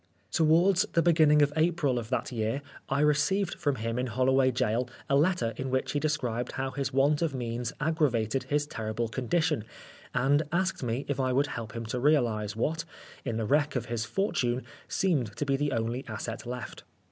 Towards the beginning of April of that Oscar Wilde year, I received from him in Holloway Gaol a letter in which he described how his want of means aggravated his terrible condition, and asked me if I would help him to realise what, in the wreck of his fortune, seemed to be the only asset left.